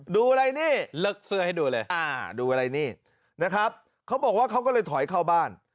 ดูอะไรนี่เลิกเสื้อให้ดูเลยดูอะไรนี่นะครับเขาบอกว่าเขาก็เลยถอยเข้าบ้าน